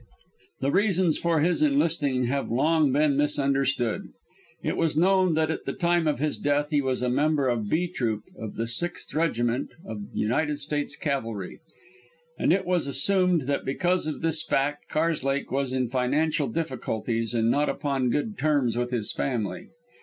The reasons for his enlisting have long been misunderstood. It was known that at the time of his death he was a member of B Troop of the Sixth Regiment of United States Cavalry, and it was assumed that because of this fact Karslake was in financial difficulties and not upon good terms with his family.